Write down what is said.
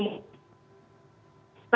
tapi kan dia datang ke sekolah